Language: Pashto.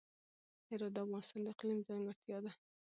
هرات د افغانستان د اقلیم ځانګړتیا ده.